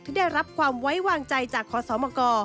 ที่ได้รับความไว้วางใจจากคมก